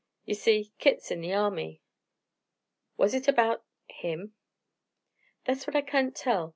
Ye see, Kit's in the Army." "Was it about him?" "That's what I kain't tell.